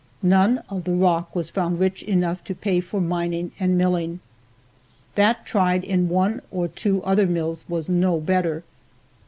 None of the rock was found rich enough to pay for mining and milling. That tried in one or two other mills was no better.